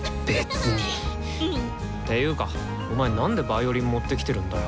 ていうかお前なんでヴァイオリン持ってきてるんだよ。